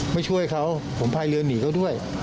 ไม่ช่วยเขาผมไพเลี้ยวหนีเขาด้วย